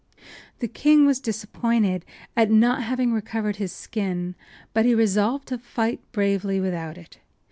The king was disappointed at not having recovered his skin, but he resolved to fight bravely without it.